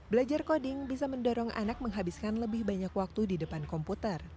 belajar coding bisa mendorong anak menghabiskan lebih banyak waktu di depan komputer